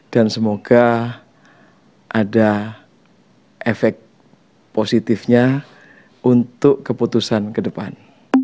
dan semoga ada efek positifnya untuk keputusan kedepan